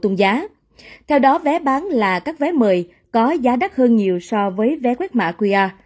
hộ tung giá theo đó vé bán là các vé mời có giá đắt hơn nhiều so với vé quét mạ qia